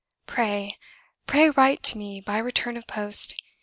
Pray, pray write to me by return of post!